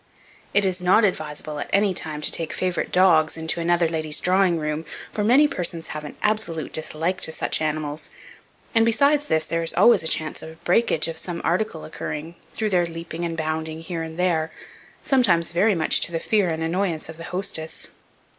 It is not advisable, at any time, to take favourite dogs into another lady's drawing room, for many persons have an absolute dislike to such animals; and besides this, there is always a chance of a breakage of some article occurring, through their leaping and bounding here and there, sometimes very much to the fear and annoyance of the hostess.